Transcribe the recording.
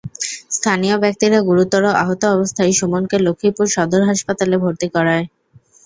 স্থানীয় ব্যক্তিরা গুরুতর আহত অবস্থায় সুমনকে লক্ষ্মীপুর সদর হাসপাতালে ভর্তি করায়।